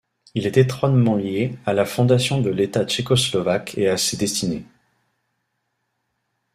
Il est étroitement lié à la fondation de l'État tchécoslovaque et à ses destinées.